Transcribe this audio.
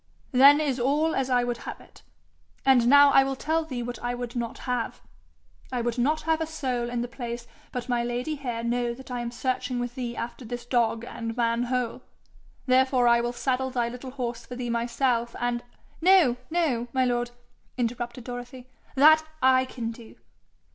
'Then is all as I would have it. And now I will tell thee what I would not have: I would not have a soul in the place but my lady here know that I am searching with thee after this dog and man hole. Therefore I will saddle thy little horse for thee myself, and ' 'No, no, my lord!' interrupted Dorothy. 'That I can do.'